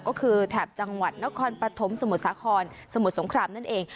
ก็คือแถบจังหวัดนครปฐมสมุทรสาครสมุทรสงครามนั่นเอง